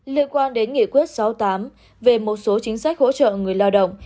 liên quan đến nghị quyết sáu mươi tám về một số chính sách hỗ trợ người lao động